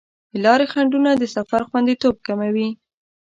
د لارې خنډونه د سفر خوندیتوب کموي.